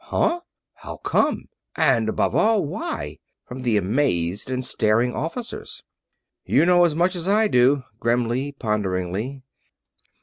"Huh? How come? And above all, why?" from the amazed and staring officers. "You know as much as I do," grimly, ponderingly.